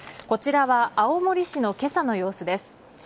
こちらは青森市のけさの様子です。